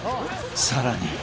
［さらに］